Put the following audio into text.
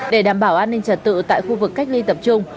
để đảm bảo an ninh trật tự tại khu vực cách ly tập trung